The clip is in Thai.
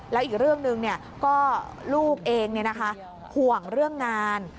แล้วอีกเรื่องหนึ่งก็ลูกเองห่วงเรื่องงาน